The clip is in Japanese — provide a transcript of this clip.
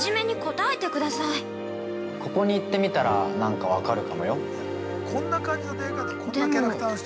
ここに行ってみたら何か分かるかもよ。